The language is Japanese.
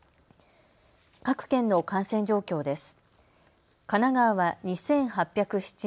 各県の感染状況です。